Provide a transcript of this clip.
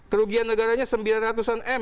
kerugian negaranya sembilan ratus an m